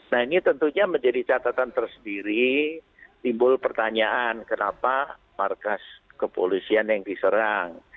nah ini tentunya menjadi catatan tersendiri timbul pertanyaan kenapa markas kepolisian yang diserang